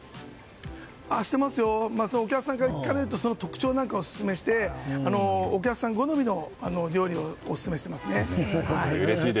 お客さんから聞かれると特徴なんかをオススメしてお客さん好みのお料理をオススメしてますね。